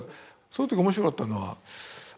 その時面白かったのは